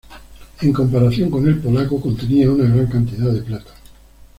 En comparación con el polaco contenía una gran cantidad de plata.